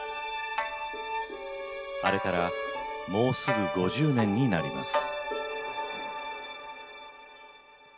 あれからもうすぐ５０年になります。